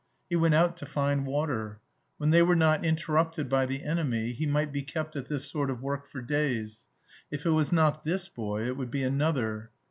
He went out to find water. When they were not interrupted by the enemy, he might be kept at this sort of work for days; if it was not this boy it would be another.